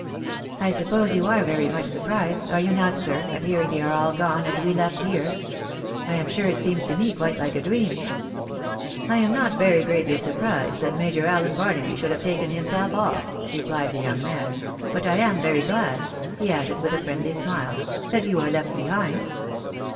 " I suppose you are very much surprised, are you not, sir, at hearing they are all gone, and we left here ? I am sure it seems to me quite like a dream." " I am not very greatly surprised that Major Allen Barnaby should have taken himself off," replied the young man ;" but I am very glad," he added, with a friendly smile, " that you are left behind."